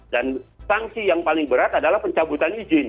dan sanksi yang paling berat adalah pencabutan izin